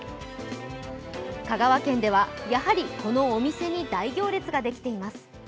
香川県では、やはり、このお店に大行列ができています。